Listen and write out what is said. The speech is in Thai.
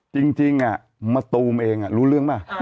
จริงมะตูมเองรู้เรื่องป่ะ